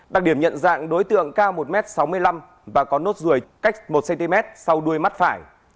đặc điểm nhận dạng đối tượng cao một m sáu mươi năm và có nốt ruồi cách một cm sau đuôi mắt phải